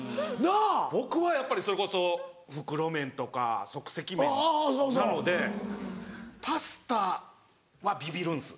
僕はやっぱりそれこそ袋麺とか即席麺なのでパスタはビビるんです。